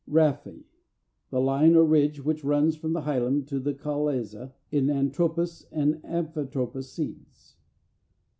RHAPHE, the line or ridge which runs from the hilum to the chalaza in anatropous and amphitropous seeds.